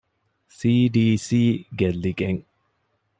ސީ.ޑީ.ސީ ގެއްލިގެން